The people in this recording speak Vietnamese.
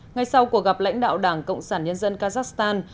ngay sau cuộc gặp lãnh đạo đảng cộng sản nhân dân kazakhstan